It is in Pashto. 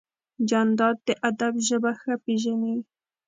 جانداد د ادب ژبه ښه پېژني.